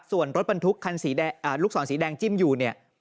ส่วนรถบรรทุกคันลูกศรสีแดงจิ้มอยู่เนี่ย